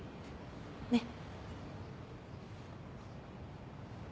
ねっ。